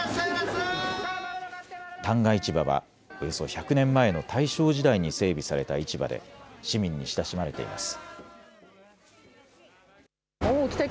旦過市場はおよそ１００年前の大正時代に整備された市場で市民に親しまれています。